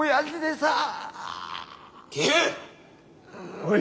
おい。